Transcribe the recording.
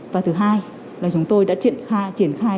và thứ hai là chúng tôi đã triển khai